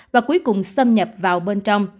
và cuối cùng xâm nhập vào bên trong